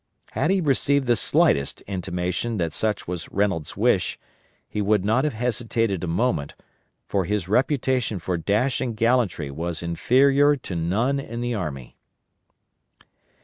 Had he received the slightest intimation that such was Reynolds' wish, he would not have hesitated a moment, for his reputation for dash and gallantry was inferior to none in the army.